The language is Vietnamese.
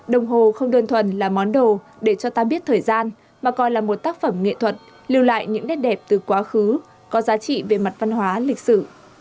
đồng hồ không đơn thuần là món đồ để cho ta biết thời gian mà còn là một tác phẩm nghệ thuật lưu lại những nét đẹp từ quá khứ có giá trị về mặt văn hóa lịch sử